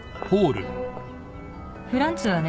フランツはね